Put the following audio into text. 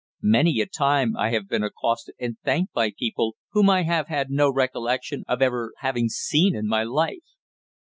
Many a time I have been accosted and thanked by people whom I have had no recollection of ever having seen in my life.